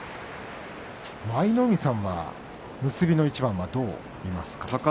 舞の海さん、結びの一番はどう見ますか。